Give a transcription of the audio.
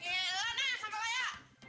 ya elah nah sampai kaya